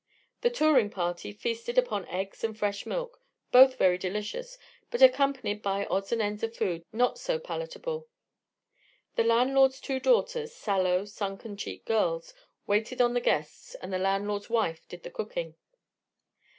The touring; party feasted upon eggs and fresh milk, both very delicious but accompanied by odds and ends of food not so palatable. The landlord's two daughters, sallow, sunken cheeked girls, waited on the guests and the landlord's wife did the cooking.